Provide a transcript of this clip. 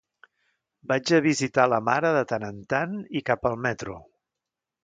Vaig a visitar la mare de tant en tant i cap al metro!